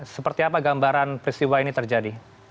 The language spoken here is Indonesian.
seperti apa gambaran peristiwa ini terjadi